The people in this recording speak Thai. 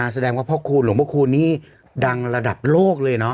แสดงว่าพ่อคูณหลวงพระคูณนี่ดังระดับโลกเลยเนาะ